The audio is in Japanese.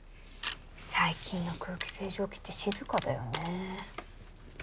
最近の空気清浄機って静かだよね。